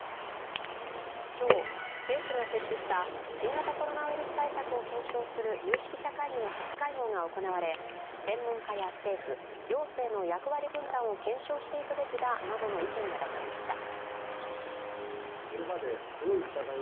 今日、政府が設置した新型コロナウイルス対策を検証する有識者会議の初会合が行われ専門家や政府、行政の役割分担を検証していくべきだなとの意見が出されました。